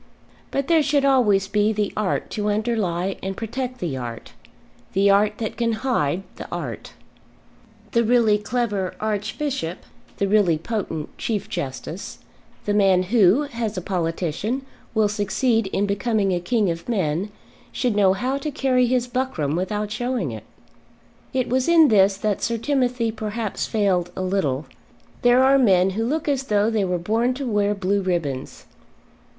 But there should always be the art to underlie and protect the art; the art that can hide the art. The really clever archbishop, the really potent chief justice, the man who, as a politician, will succeed in becoming a king of men, should know how to carry his buckram without showing it. It was in this that Sir Timothy perhaps failed a little. There are men who look as though they were born to wear blue ribbons.